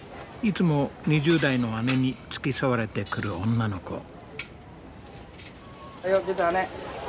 いつも２０代の姉に付き添われてくる女の子。